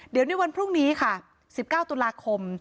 เดี๋ยวในวันพรุ่งนี้ค่ะ๑๙ตุลาคม